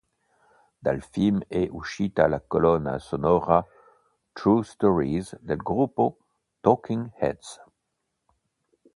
Dal film è uscita la colonna sonora True Stories del gruppo Talking Heads.